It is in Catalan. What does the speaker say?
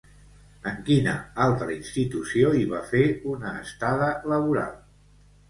En quina altra institució hi va fer una estada laboral?